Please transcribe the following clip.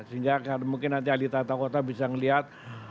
sehingga mungkin nanti ahli tata kota bisa melihat